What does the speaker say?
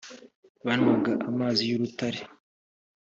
banywaga amazi y urutare